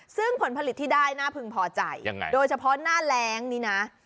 ซึ่งผลผลิตที่ได้น่าพึงพอใจโดยเฉพาะหน้าแรงนี้นะ